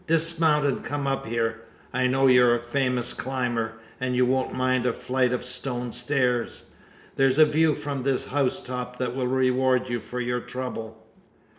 Dismount, and come up here! I know you're a famous climber, and won't mind a flight of stone stairs. There's a view from this housetop that will reward you for your trouble."